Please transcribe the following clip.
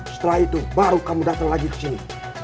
setelah itu baru kamu datang lagi kesini